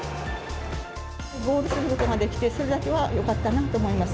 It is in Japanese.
ゴールすることができて、それだけはよかったなと思います。